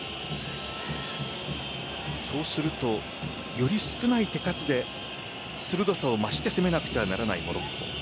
そうすると、より少ない手数で鋭さを増して攻めなくてはならないモロッコ。